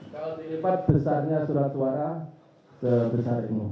kalau dilipat besarnya surat suara sebesar ini